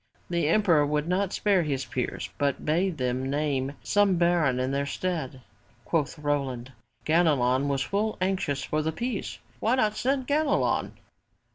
The emperor would not spare his peers but bade them name some baron in their stead. Quoth Roland: *'Ganelon was full anxious for the peace! Why not send Ganelon?''